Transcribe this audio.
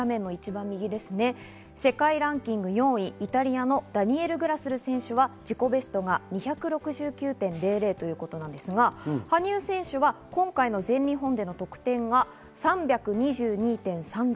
世界ランキング４位、イタリアのダニエル・グラスル選手は自己ベストが２６９．００ということなんですが、羽生選手は今回の全日本での得点が３２２．３６。